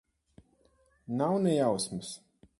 Nav ne jausmas.